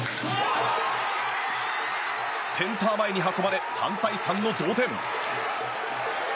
センター前に運ばれ３対３の同点。